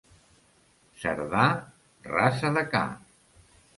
Cerdà, raça de ca.